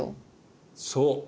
そう。